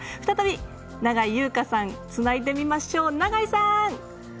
再び、永井優香さんにつないでみましょう、永井さん